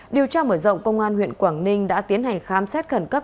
điều tra mở rộng công an huyện quảng ninh đã tiến hành khám xét khẩn cấp